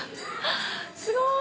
すごーい。